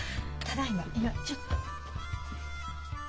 ただ今今ちょっと。